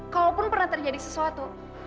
kalaupun pernah terjadi sesuatu